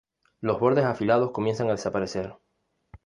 Los bordes afilados comienzan a desaparecer.